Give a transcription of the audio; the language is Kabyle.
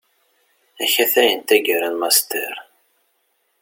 Akatay n taggara n Master.